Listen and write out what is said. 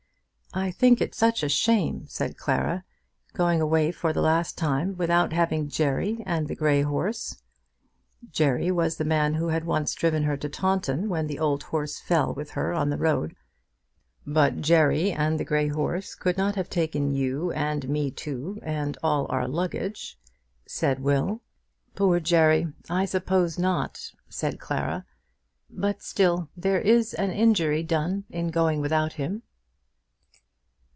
"I think it such a shame," said Clara, "going away for the last time without having Jerry and the grey horse." Jerry was the man who had once driven her to Taunton when the old horse fell with her on the road. "But Jerry and the grey horse could not have taken you and me too, and all our luggage," said Will. "Poor Jerry! I suppose not," said Clara; "but still there is an injury done in going without him."